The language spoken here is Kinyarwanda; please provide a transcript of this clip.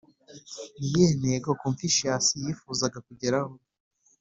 ni iyihe ntego confucius yifuzaga kugeraho?